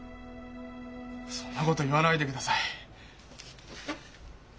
そんなこと言わないでください。